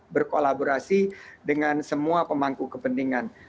berkolaborasi dengan semua pemangku kepentingan